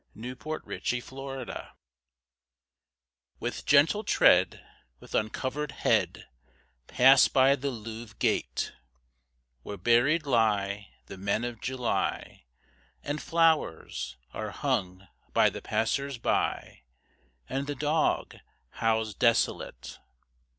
SIMS. THE DOG OF THE LOUVRE With gentle tread, with uncovered head, Pass by the Louvre gate, Where buried lie the "men of July," And flowers are hung by the passers by, And the dog howls desolate.